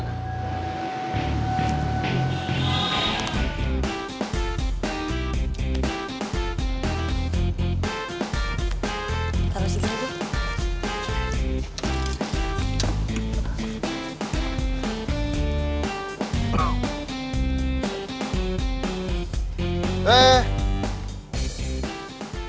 taruh di sini dulu